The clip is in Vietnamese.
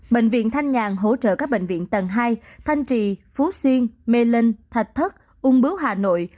bệnh viện thanh nhàn hỗ trợ các bệnh viện tầng hai thanh trì phú xuyên mê linh thạch thất ung bướu hà nội